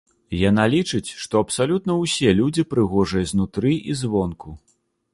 Яна лічыць, што абсалютна ўсе людзі прыгожыя знутры і звонку.